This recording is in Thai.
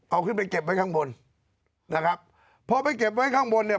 เอาขึ้นไปเก็บไว้ข้างบนนะครับพอไปเก็บไว้ข้างบนเนี่ย